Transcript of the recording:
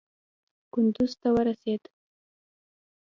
کندوز ته ورسېد.